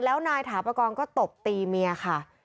แล้วนายถาปกรณ์ก็ตบตีเมียค่ะ